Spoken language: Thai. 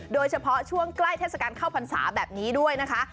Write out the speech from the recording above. โดยเฉพาะช่วงใกล้เทศกาลเข้าพรรษาแบบนี้ด้วยนะคะ